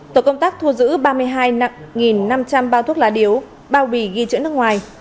tổ công tác thu giữ ba mươi hai nặng năm trăm linh bao thuốc lá điếu bao bì ghi chữ nước ngoài